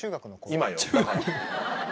今よ。